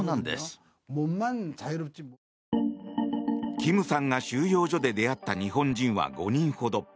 キムさんが収容所で出会った日本人は５人ほど。